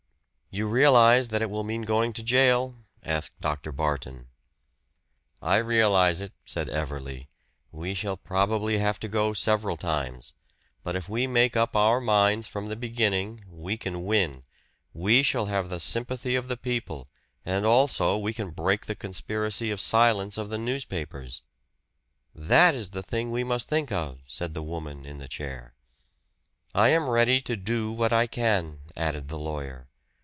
"You realize that it will mean going to jail?" asked Dr. Barton. "I realize it," said Everley. "We shall probably have to go several times. But if we make up our minds from the beginning, we can win; we shall have the sympathy of the people and also we can break the conspiracy of silence of the newspapers." "That is the thing we must think of," said the woman in the chair. "I am ready to do what I can," added the lawyer.